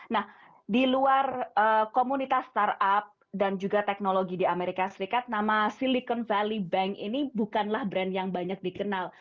nah di luar komunitas startup dan juga teknologi di amerika serikat nama silicon valley bank ini bukanlah brand yang banyak dikenal